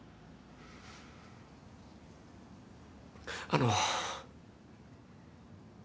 あの。